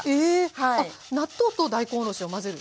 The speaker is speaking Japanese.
あっ納豆と大根おろしを混ぜる？